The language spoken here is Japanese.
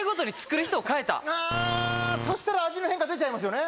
あぁそしたら味の変化出ちゃいますよね。